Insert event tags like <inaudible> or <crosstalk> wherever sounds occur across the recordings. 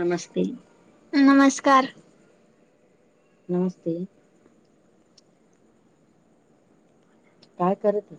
नमस्ते. नमस्कार. नमस्ते. काय करत होतीस?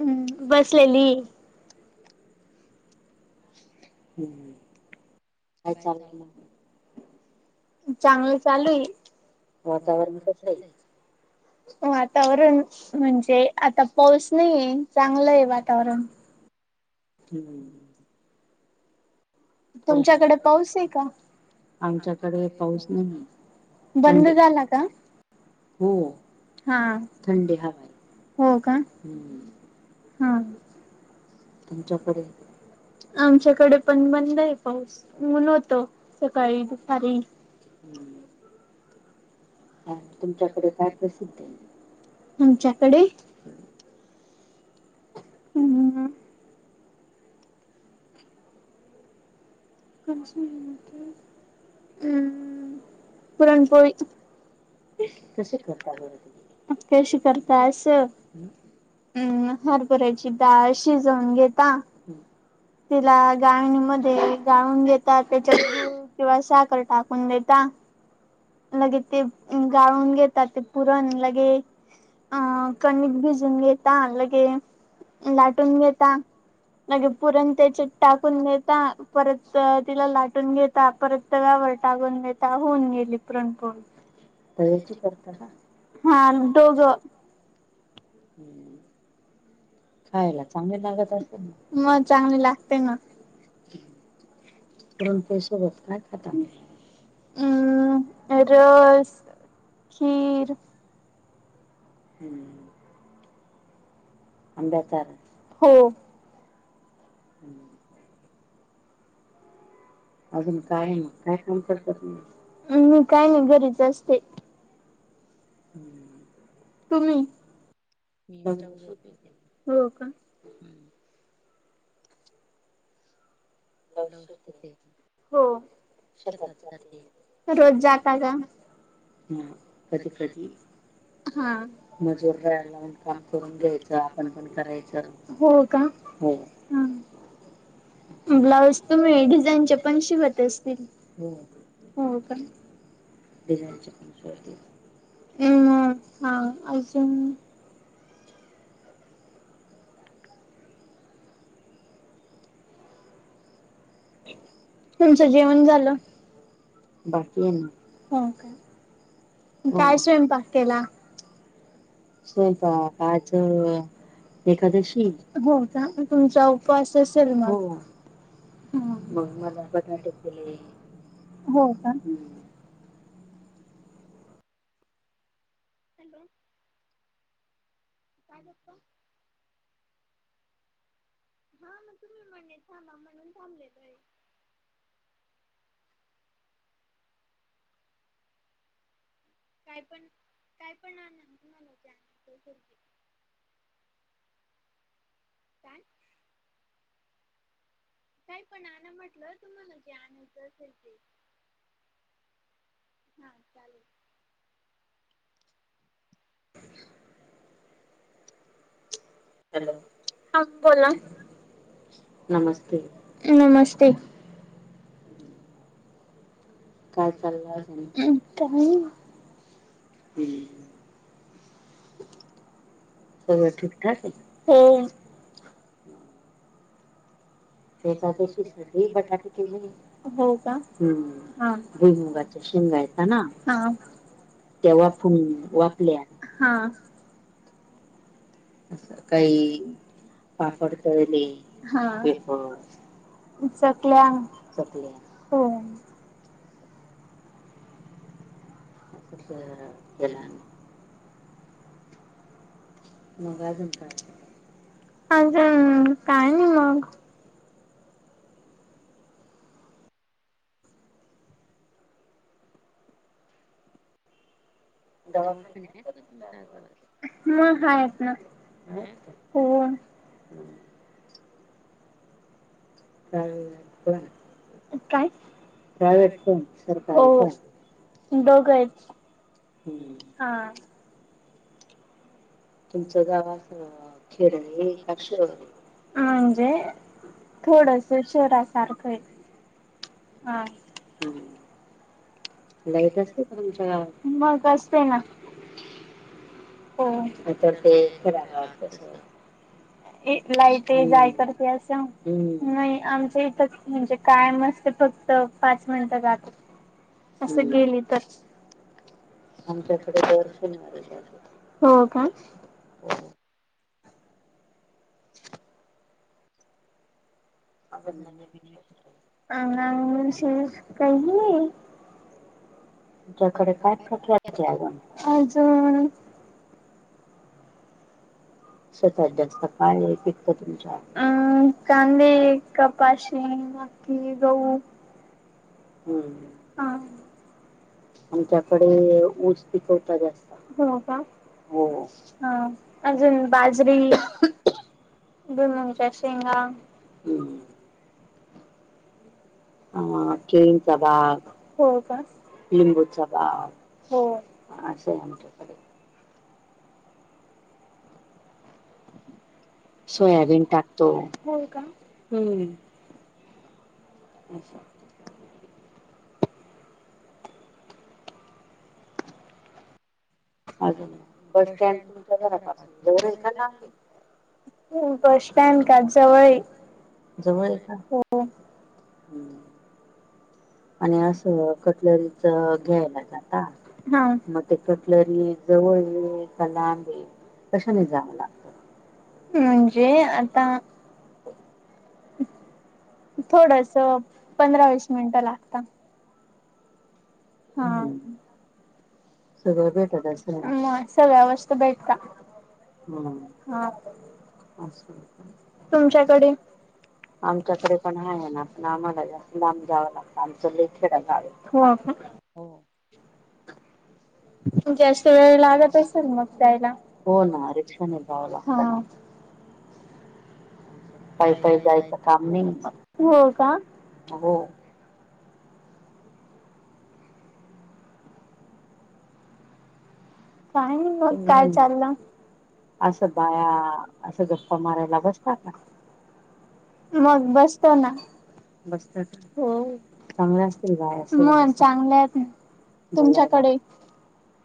हम्म बसलेली. हम्म. काय चाललय मग? चांगलं चालू आहे. वातावरण कस आहे? वातावरण म्हणजे आता पाऊस नाहीये चांगलं आहे वातावरण. हम्म. तुमच्याकडे पाऊस आहे का? आमच्याकडे पाऊस नाही. बंद झाला का? हो. हा. थंडी हवा आहे. हो का? हा. तुमच्याकडे काय? आमच्याकडे पण बंद आहे पाऊस, ऊन होतं सकाळी दुपारी. हम्म. हा तुमच्याकडे काय प्रसिद्ध आहे? आमच्याकडे ह् <unintelligible> अम पुरणपोळी. कशी करता तुम्ही ती? कशी करतायस हम्म हरभऱ्याची डाळ शिजवून घेतात तिला गाळणी मध्ये गाळून घेतात त्याच्यात गुळ किंवा साखर टाकून घेतात लगेच ते गाळून घेतात ते पुरण लगे अह कणिक भिजवून घे ता लगे लाटून घेता, लगे पुरण त्याच्यात टाकून घे ता परत तिला लाटून घेता परत तव्यावर टाकून घे ता होवून गेली पुरणपोळी. तव्याची करता का? हा दोघं. खायला चांगली लागत असेल? मग चांगली लागते ना. पुरण <unintelligible> हम्म रस, खीर हम्म. आंब्याचा रस. हो. हम्म. अजून काय मग काय काम करता तुम्ही? मी काय नाही घरीच असते. हम्म. तुम्ही? मी ब्लाउजच शिवते. हम्म. ब्लाउस शिकते मी. हो. शेतात जाते. रोज जाता का? नाही कधीकधी. हा. मजूर लावून काम करून घ्यायचं, आपण पण करायचं. हो का? हो. ब्लाऊज तुम्ही डिझाईनचे पण शिवत असतील, हो हो का? डिझायनचे पण शिवते, हम्म हा अजून तुमचं जेवण झालं? बाकी आणि, हो काय? काय स्वयंपाक केला? स्वयंपाक आज एकादशी हो का मग तुमचा उपवास असेल मग, हो. मग मला बटाटे केले हो का, हम्म. हॅलो! काय करतो? हा मग तुम्ही म्हणले थांबा, म्हणून थांबलेतय. काय पण, काय पण आन ना <unintelligible> काय? काय पण आणा म्हटलं, तुम्हाला जे आणायचं असेल ते. हा चालेल. <inaudible> हॅलो! हा बोला, नमस्ते! नमस्ते. <inaudible> काय चाललं अजून? काय नाही हम्म. सगळं ठीकठाकय? हो. एकादशी साठी बटाटे केलेय हो का हा भुईमुगाचे शेंगायताना हा त्या वाफुन वापल्या हा. काही पापड तळले हा वेफर्स. चकल्या, चकल्या होय. <unintelligible> मग अजून काय, अजून काय नाही मग. दवाखाने हायत का तुमच्या आजूबाजूला? मग हायत ना. हायत का हो. हम्म. <unintelligible> काय? <unintelligible> हो दोघच हम्म हा. तुमच गाव आसल ना? खेडय का शहरय म्हणजे थोड शहरासारखय हा. <inaudible> लाईट असते का तुमच्या गावात मग असतेय ना. हो नाहीतर तर खेडेगावात कस ये लाईटे ये जाय करते असं नाही. आमच्या इथं म्हणजे कायम असते फक्त पाच मिनिटं जाते. असं गेली तर. आमच्याकडे दर शनिवारी जाते, हो का. <inaudible> <unintelligible> तुच्याकडे काय <unintelligible> अजून? सतत जास्त पाणी पिकतं तुमच्यात. अम कांदे, कपाशी, मकी, गहू. हम्म. आमच्याकडे ऊस पिकवता जास्त, हो का? हो. हा अजून बाजरी, भुईमूगच्या शेंगा हम्म. अ केळीचा बाग, हो का? लिंबूचा बाग हो. असंय आच्याकडे सोयाबीन टाकतो, होय का? हम्म. अच्छा! अजून बस स्टँड तुमच्या घरापासून जवळ आहे का लांब आहे? बस स्टँड का जवळ आहे. जवळ आहे का? हम्. आणि असं कटलरीच घ्यायला जाता मग ते क टलरी जवळ आहे काय लांब आहे कशाने जावं लागतं? म्हणजे आता थोडंसं पंधरा वीस मिनिटं लागता. हा, सगळं भेटत असेल? नाय. सगळ्या वस्तू भेटता हा. तुमच्याकडे? आमच्याकडे पण आहे ना पण आम्हाला जास्त लांब जावं लागतं आमचं लय खेडं गाव आहे. हो का? हो. तु जा जास्त वेळ लागत असेल मग जायला हो ना रिक्षाने जावं लागत. पायी पायी जायचं काम नाही मग, हो का? हो. काय नाही, मग काय चाल्ला? असं बाया असं गप्पा मारायला बसतात का? मग बसतो ना. बसतात, हो. चांगले असतील बाय सगळ्या, म चांगल्या आहेत. तुमच्याकडे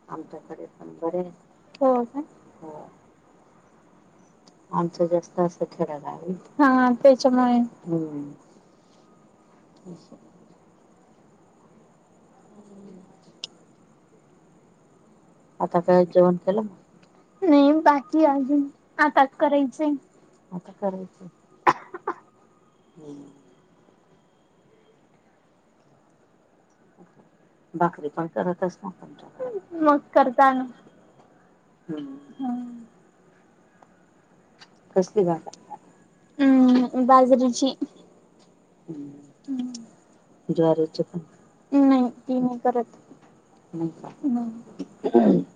आच्याकडे बरे आहे? हो. आमचं जास्त असं खेळायला आहे, हा त्याच्यामुळे अच्छा! आता काय जेवण केलं? नाही बाकीयं अजून आता करायचंय, आता करायचंय. हम्म. भाकरी पण करत असणार तुमच्याकडे? मग करता ना. हं. कसली <unintelligible> हम्मं बाजरीची. हम्म ज्वारीची पणं नाही तीं नाही करतं. <unintelligible>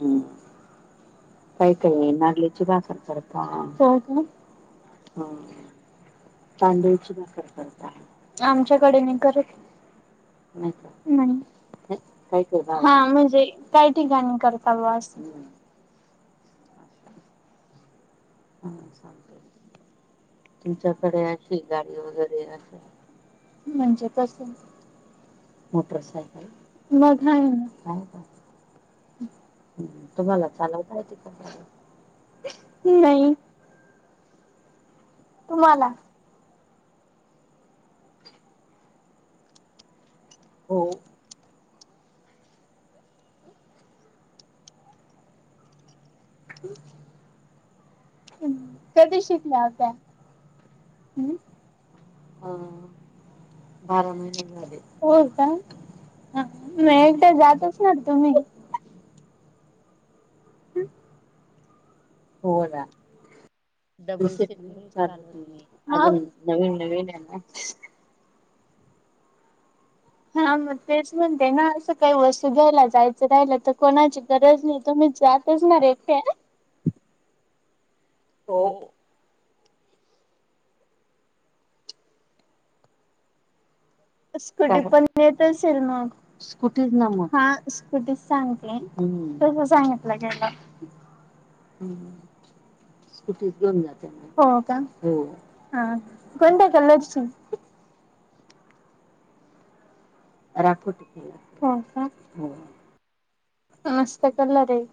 हम्म. काहीकाही नागलीची भाकर करता, हो काय? हा. तांदळीची भाकर करता, आमच्याकडे नाही करतं. नाही का? नाही, कां हां म्हणजे काही ठिकाणी करता असं हा चालतंय, तुमच्याकडे अशी गाडी वगैरे असं म्हणजे कसं? मोटरसायकलं. <unintelligible> हम्ं तुम्हालां चालवता येते का? <unintelligible> हं नई. तुम्हांला? हो. कधी शिकल्या होत्या? - हम? बारा महिने झाले. हो कां? म ऐकट्या जात असणार तुम्ही? हो ना. कुठेचे चालत नाही नवीनं नवीनं हे नां. हां मग तेंच म्हणते नां असं काही वस्तू घ्यायला जायचं राहिलं तर कोणाची गरज नाही तुम्ही जात असणार ऐकट्या. हो. स्कुटी पणं येत असेलं मगं? स्कुटीच ना मग, हां स्कुटी सांगतिये तसं सांगितलं गेलं. हम्म्. स्कूटी घेऊन जाते, हों कां? हो, कोंणत्या कलरची? - राखोटी, हो कां? मस्तं कलर ये.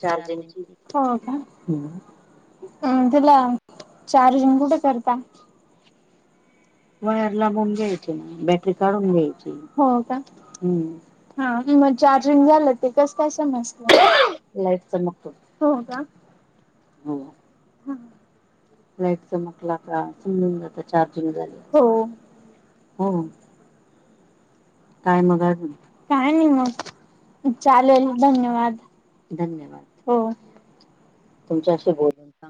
चार्जिंग ची, होवं कां? हम् तुल चार्जिंग कुठं करता? वयर लाऊन घ्याची नाही, बॅटरी काढून घ्यायची, हो का? हम्म. हां मगं चार्जिंग झालं ते कस काय समजत? लाईट चमकतो, हो का? हो. हां. लाईट चमकला कां समजून जात चार्जिंग झाली, हो, हो. काय मगं आजुन? काय नाही मग चालेलंं धन्यवाद, धन्यवाद. हो. तुमच्याशी बोलून